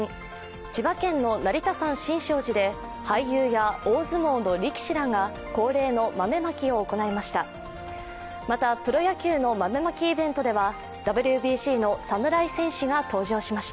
千葉県の成田山新勝寺で俳優や大相撲の力士らが恒例の豆まきを行いました。